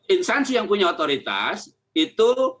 instansi yang punya otoritas itu